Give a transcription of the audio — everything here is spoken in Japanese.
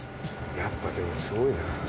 やっぱでもすごいな。